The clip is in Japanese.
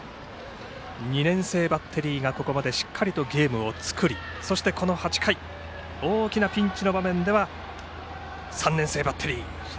２年生バッテリーがここまでしっかりゲームを作りそして、この８回大きなピンチの場面では３年生バッテリー。